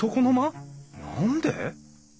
何で？